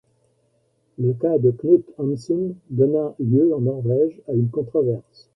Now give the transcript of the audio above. Le cas de Knut Hamsun donna lieu en Norvège à une controverse.